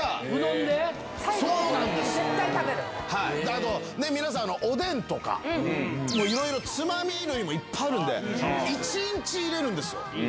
あと皆さんおでんとかいろいろつまみ類もいっぱいあるんで１日いれるんですよ